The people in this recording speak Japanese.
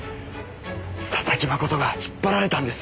佐々木真人が引っ張られたんですよ。